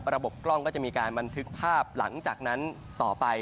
ระบบกล้องก็จะมีการบันทึกภาพหลังจากนั้นต่อไป